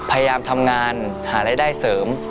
พยายามทำงานหารายได้เสริม